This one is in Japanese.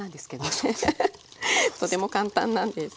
とても簡単なんです。